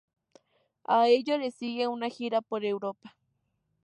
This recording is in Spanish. A ello le sigue una gira por Europa.